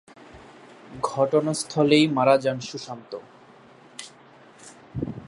ঘটনাস্থলেই মারা যান সুশান্ত।